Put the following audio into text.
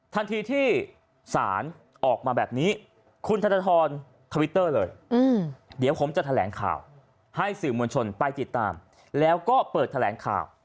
ทันทีที่ศาลออกมาแบบนี้คุณธนทรทวิตเตอร์เลยเดี๋ยวผมจะแถลงข่าวให้สื่อมวลชนไปติดตามแล้วก็เปิดแถลงข่าว